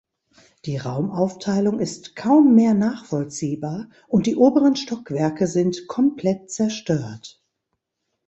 Die Raumaufteilung ist kaum mehr nachvollziehbar, und die oberen Stockwerke sind komplett zerstört.